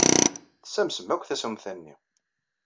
Tessamsem akk tasumta-nni!